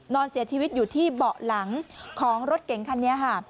นอนเสียชีวิตอยู่ที่เบาะหลังของรถเก๋งคันนี้ค่ะ